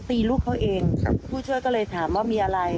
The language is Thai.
ลูกเขาเองครับผู้ช่วยก็เลยถามว่ามีอะไร